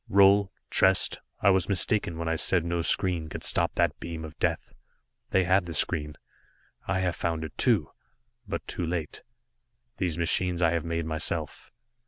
"Roal Trest I was mistaken when I said no screen could stop that beam of Death. They had the screen, I have found it, too but too late. These machines I have made myself.